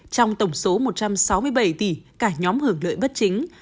trong tổng số một trăm sáu mươi bảy tỷ cả nhóm hưởng lợi bất chính